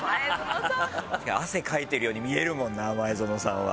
汗かいてるように見えるもんな前園さんは。